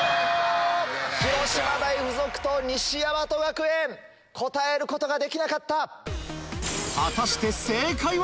広島大附属と西大和学園答えることができなかった。